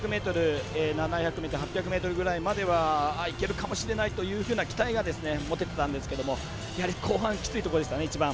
本当に６００ｍ、７００ｍ８００ｍぐらいまではいけるかもしれないという期待が持てていたんですけどやはり後半きついところでしたね。